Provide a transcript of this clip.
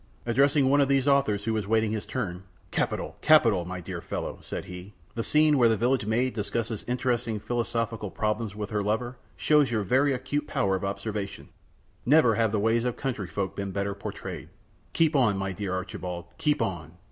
Addressing one of these authors who was waiting his turn, "Capital! Capital! my dear fellow," said he, "your last story. The scene where the village maid discusses interesting philosophical problems with her lover shows your very acute power of observation. Never have the ways of country folk been better portrayed. Keep on, my dear Archibald, keep on!